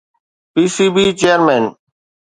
P C B chairman